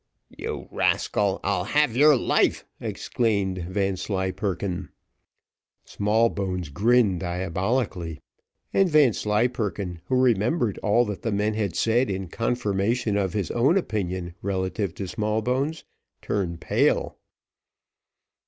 "You rascal, I'll have your life!" exclaimed Vanslyperken. Smallbones grinned diabolically, and Vanslyperken, who remembered all that the men had said in confirmation of his own opinion relative to Smallbones, turned pale.